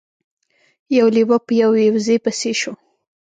یو لیوه په یوې وزې پسې شو.